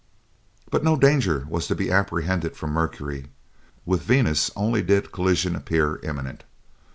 But no danger was to be apprehended from Mercury; with Venus only did collision appear imminent.